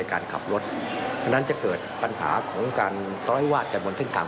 การขับรถอันนั้นจะเกิดปัญหาของการตร้อยวาดจากบนเส้นทาง